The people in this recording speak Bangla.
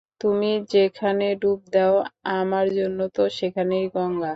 তুমি যেখানে ডুব দেও, আমার জন্য তো সেখানেই গঙ্গা।